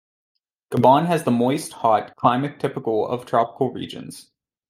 Gabon has the moist, hot climate typical of tropical regions.